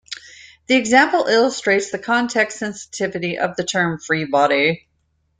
The example illustrates the context sensitivity of the term "free body".